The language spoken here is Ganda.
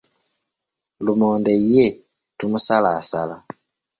Lumonde ye tumusalaasala.